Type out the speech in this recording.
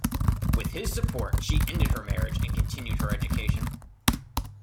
With his support she ended her marriage and continued her education.